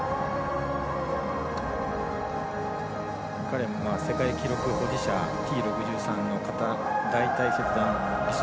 彼も世界記録保持者Ｔ６３の片大たい義足。